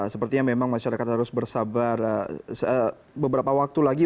sepertinya memang masyarakat harus bersabar beberapa waktu lagi